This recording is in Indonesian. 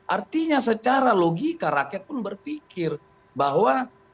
artinya secara logika rakyat pun berpikir bahwa